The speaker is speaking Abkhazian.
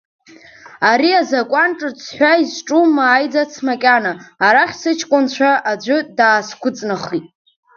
Ари азакәан ҿыц ҳәа изҿу мааиӡац макьана, арахь сыҷкәынцәа аӡәы даасгәыҵнахит.